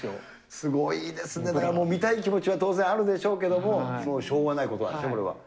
すごいですね、だからもう、見たい気持ちは当然あるでしょうけれども、もうしょうがないことなんですね、これは。